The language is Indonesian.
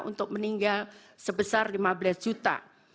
untuk meninggal sebesar lima belas juta